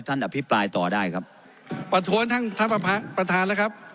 อภิปรายต่อได้ครับประท้วงท่านท่านประธานแล้วครับ